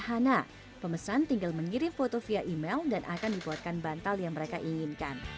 nanti desainer bikin sesuai dengan apa yang dikirim